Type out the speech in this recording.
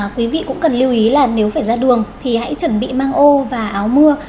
quý vị cũng cần lưu ý là nếu phải ra đường thì hãy chuẩn bị mang ô và áo mưa